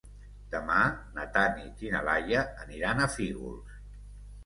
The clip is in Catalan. Demà na Tanit i na Laia aniran a Fígols.